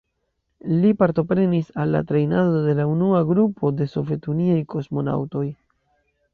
Li partoprenis al la trejnado de la unua grupo de sovetuniaj kosmonaŭtoj.